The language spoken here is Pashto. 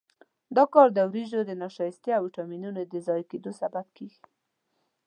دا کار د وریجو د نشایستې او ویټامینونو د ضایع کېدو سبب کېږي.